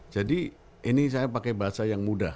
jadi ini saya pake bahasa yang mudah